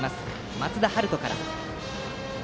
松田陽斗から。